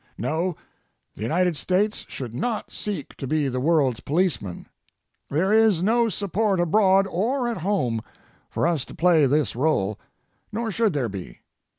No, the United States should not seek to be the world's policeman. There is no support abroad or at home for us to play this role, nor should there be.